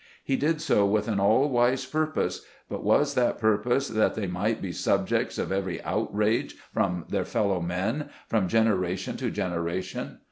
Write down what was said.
He did so with an all wise purpose ; but was that pur pose that they might be subjects of every outrage from their fellow men, from generation to gener ation